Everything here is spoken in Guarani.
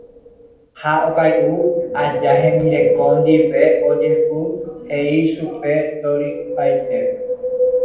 Ha okay'u aja hembirekomi ndive, osẽkuri he'i chupe torypaitépe.